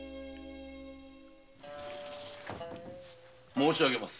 申し上げます。